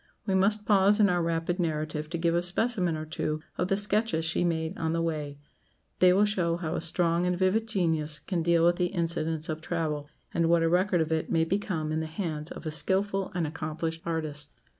We must pause in our rapid narrative to give a specimen or two of the sketches she made on the way; they will show how a strong and vivid genius can deal with the incidents of travel, and what a record of it may become in the hands of a skilful and accomplished artist.